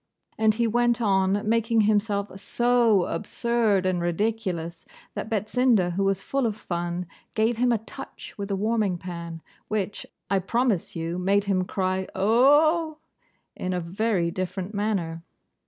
And he went on, making himself SO ABSURD AND RIDICULOUS, that Betsinda, who was full of fun, gave him a touch with the warming pan, which, I promise you, made him cry 'O o o o!' in a very different manner.